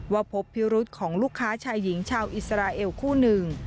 พบพิรุษของลูกค้าชายหญิงชาวอิสราเอลคู่หนึ่ง